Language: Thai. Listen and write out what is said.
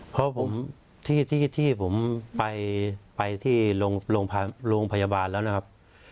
เพราะผมที่ผมไปที่โรงพยาบาลแล้วนะครับ